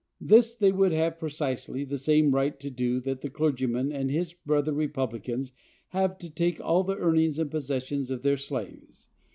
This they would have precisely the same right to do that the clergyman and his brother republicans have to take all the earnings and possessions of their slaves.